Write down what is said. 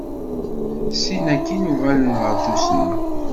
Sin akin uɣalen ɣer tusna.